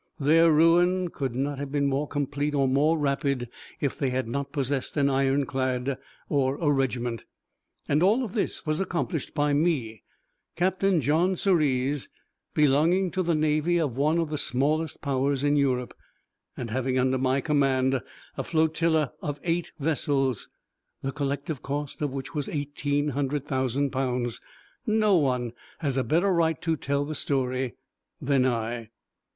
Their ruin could not have been more complete or more rapid if they had not possessed an ironclad or a regiment. And all this was accomplished by me, Captain John Sirius, belonging to the navy of one of the smallest Powers in Europe, and having under my command a flotilla of eight vessels, the collective cost of which was eighteen hundred thousand pounds. No one has a better right to tell the story than I.